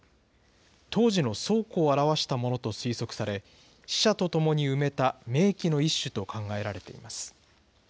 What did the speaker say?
当時の倉庫を表したものと推測され、死者とともに埋めた明器の一種と考えられています。